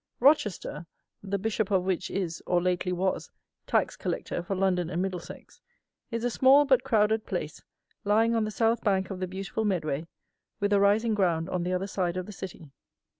Rochester (the Bishop of which is, or lately was, tax Collector for London and Middlesex) is a small but crowded place, lying on the south bank of the beautiful Medway, with a rising ground on the other side of the city.